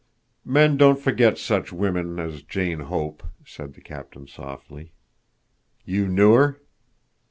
"Men don't forget such women as Jane Hope," said the captain softly. "You knew her?"